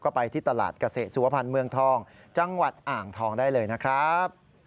ก็ไปที่ตลาดเกษตรสุวพันธ์เมืองทองจังหวัดอ่างทองได้เลยนะครับ